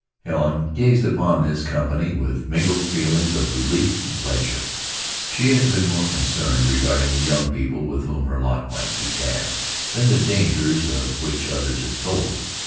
Helen gazed upon this company with mingled feelings of relief and pleasure. She had been more concerned regarding the young people with whom her lot might be cast, than the dangers of which others had told.